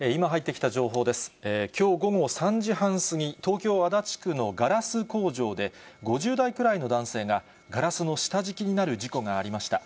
きょう午後３時半過ぎ、東京・足立区のガラス工場で、５０代くらいの男性がガラスの下敷きになる事故がありました。